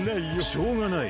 しょうがない。